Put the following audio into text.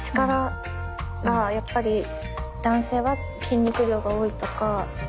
力がやっぱり男性は筋肉量が多いとか。